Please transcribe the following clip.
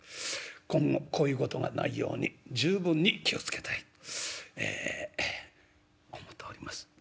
今後こういうことがないように十分に気を付けたいええ思うております」。